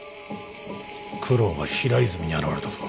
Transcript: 九郎が平泉に現れたぞ。